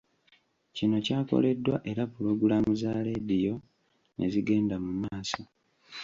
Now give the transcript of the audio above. Kino kyakolebwa era pulogulaamu za leediyo ne zigenda mu maaso.